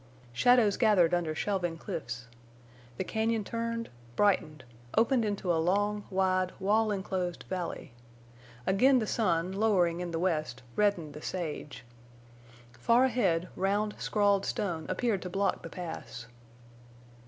Shadows gathered under shelving cliffs. The cañon turned, brightened, opened into a long, wide, wall enclosed valley. Again the sun, lowering in the west, reddened the sage. Far ahead round, scrawled stone appeared to block the Pass.